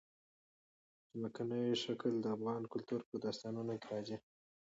ځمکنی شکل د افغان کلتور په داستانونو کې راځي.